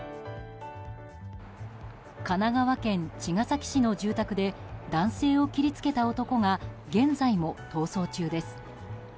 神奈川県茅ヶ崎市の住宅で男性を切りつけた男が現在も逃走中です。